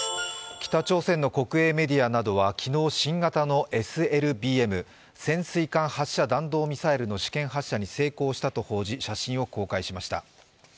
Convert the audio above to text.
北朝鮮の国営メディアなどは昨日、新型のＳＬＢＭ＝潜水艦発射弾道ミサイルの試験発射に成功したと報じ、写真を公開しました。